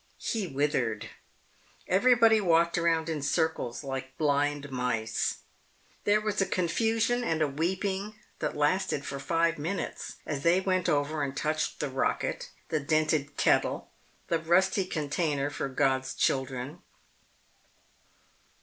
He withered. Everybody walked around in circles like blind mice. There was a confusion and a weeping that lasted for five minutes as they went over and touched the Rocket, the Dented Kettle, the Rusty Container for God's Children.